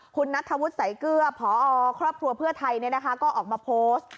คุณนัทธวุฒิสายเกลือพอครอบครัวเพื่อไทยก็ออกมาโพสต์